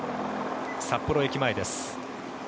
札幌駅前です。